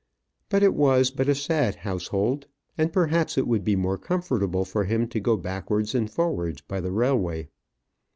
But it was but a sad household, and perhaps it would be more comfortable for him to go backwards and forwards by the railway.